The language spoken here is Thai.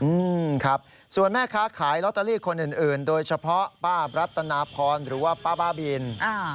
อืมครับส่วนแม่ค้าขายลอตเตอรี่คนอื่นอื่นโดยเฉพาะป้ารัตนาพรหรือว่าป้าบ้าบินอ่า